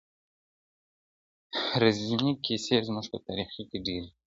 رزمي کیسې زموږ په تاریخ کې ډېرې دي.